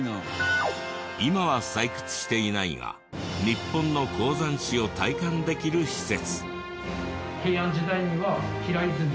今は採掘していないが日本の鉱山史を体感できる施設。